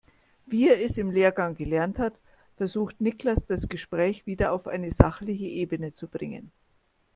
Wie er es im Lehrgang gelernt hat, versucht Niklas das Gespräch wieder auf eine sachliche Ebene zu bringen.